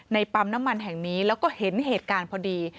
ปั๊มน้ำมันแห่งนี้แล้วก็เห็นเหตุการณ์พอดี